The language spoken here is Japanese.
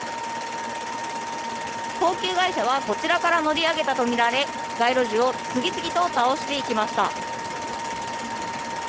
高級外車はこちらから乗り上げたとみられ街路樹を次々と倒していきました。